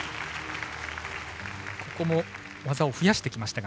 技を増やしてきました。